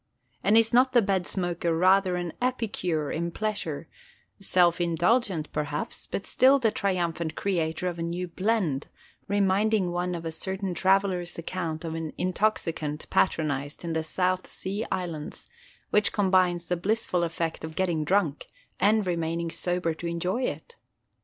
And is not the Bed Smoker rather an epicure in pleasure—self indulgent perhaps, but still the triumphant creator of a new "blend," reminding one of a certain traveller's account of an intoxicant patronised in the South Sea Islands, which combines the blissful effect of getting drunk and remaining sober to enjoy it?